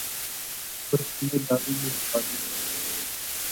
اور ہم نے دھاڑی منڈوادی